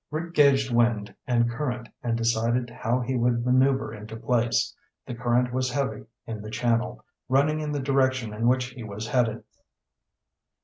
Rick gauged wind and current and decided how he would maneuver into place. The current was heavy in the channel, running in the direction in which he was headed.